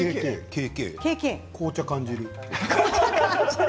紅茶感じる。